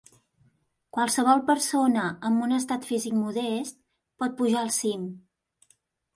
Qualsevol persona amb un estat físic modest pot pujar al cim.